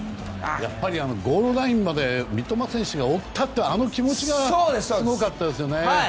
ゴールラインまで三笘選手が追ったという気持ちがすごかったですよね。